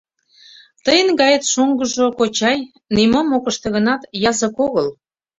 Тыйын гает шоҥгыжо, кочай, нимом ок ыште гынат, язык огыл.